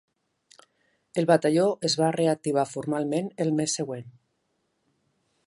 El batalló es va reactivar formalment el mes següent.